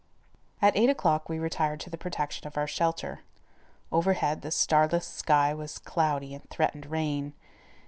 At eight o'clock we retired to the protection of our shelter. Overhead the starless sky was cloudy and threatened rain.